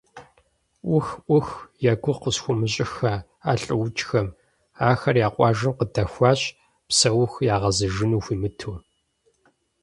Ӏух! Ӏух! Я гугъу къысхуумыщӀыххэ а лӀыукӀхэм, ахэр я къуажэм къыдахуащ, псэуху ягъэзэжыну хуимыту.